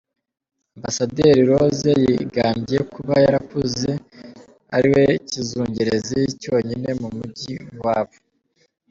Amber Rose yigambye kuba yarakuze ariwe kizungerezi cyonyine mu mujyi w'iwabo.